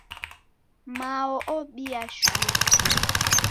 Mao obia shuu